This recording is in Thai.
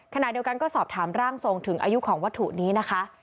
ขณะเดียวกันก็สอบถามร่างทรงถึงอายุของวัตถุนี้นะคะ